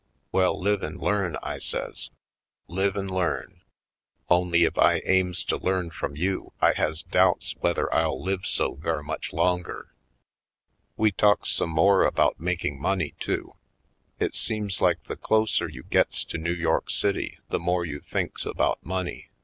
Well, live an' learn," I says, "live an' learn. Only, ef I aims to learn frum you I has doubts whether I'll live so ver' much longer." We talks some more about making money, too. It seems like the closer you gets to New York City the more you thinks about money.